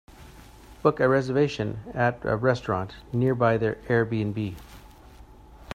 Book a reservation at a restaurant nearby their airbnb